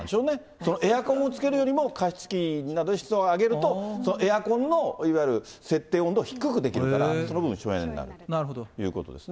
そのエアコンをつけるよりも加湿器などで湿度を上げると、エアコンのいわゆる設定温度を低くできるから、その分省エネになるということですね。